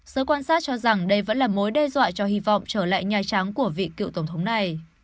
giới quan sát cho rằng đây vẫn là mối đe dọa cho hy vọng trở lại nhà trắng của vị cựu tổng thống này